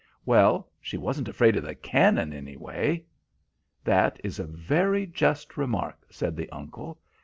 "Well, she wasn't afraid of the cannon, anyway." "That is a very just remark," said the uncle.